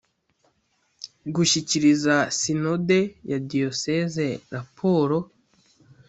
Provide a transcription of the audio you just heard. Gushyikiriza Sinode ya Diyoseze raporo